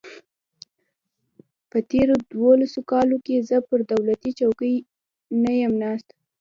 په تېرو دولسو کالو کې زه پر دولتي چوکۍ نه یم ناست.